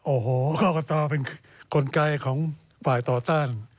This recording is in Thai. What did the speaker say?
โอ้โหกรกตเป็นกลไกของฝ่ายต่อต้าน